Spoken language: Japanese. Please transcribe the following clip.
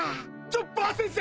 ・チョッパー先生！